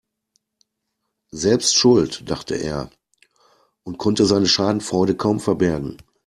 Selbst schuld, dachte er und konnte seine Schadenfreude kaum verbergen.